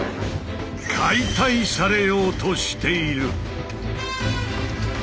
「解体」されようとしている！